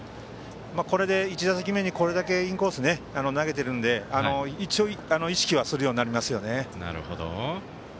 これで１打席目に、これだけインコース投げているので一応、意識はするようになりますね。